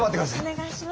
お願いします。